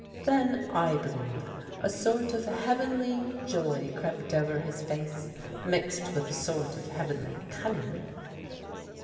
Then, I believe, a sort of heavenly joy crept over his face, mixed with a sort of heavenly cunning.